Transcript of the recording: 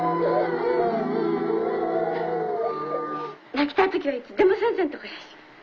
泣きたい時はいつでも先生んとこいらっしゃい。